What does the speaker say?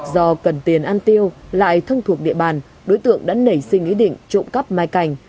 do cần tiền ăn tiêu lại thân thuộc địa bàn đối tượng đã nảy sinh ý định trộm cắp me cảnh